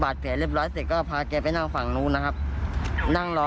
แผลเรียบร้อยเสร็จก็พาแกไปนั่งฝั่งนู้นนะครับนั่งรอ